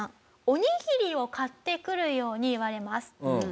おにぎりを買ってくるように言われます。